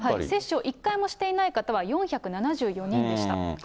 接種を一回もしていない方は４７４人でした。